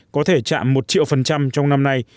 có thể chạm một triệu phần trăm trong năm nay